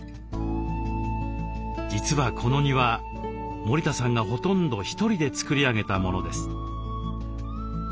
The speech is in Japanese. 実はこの庭森田さんがほとんど１人でつくり上げたものです。